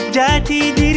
jemeruvo itu gimana pak